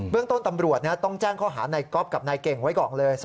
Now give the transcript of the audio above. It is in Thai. เรื่องต้นตำรวจต้องแจ้งข้อหานายก๊อฟกับนายเก่งไว้ก่อนเลย